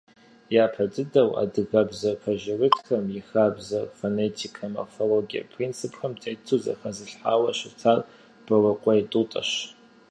Япэ дыдэу адыгэбзэ пэжырытхэм и хабзэр фонетикэ, морфологие принципхэм тету зэхэзылъхьауэ щытар Борыкъуей Тӏутӏэщ.